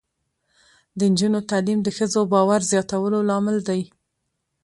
د نجونو تعلیم د ښځو باور زیاتولو لامل دی.